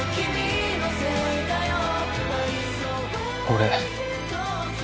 俺。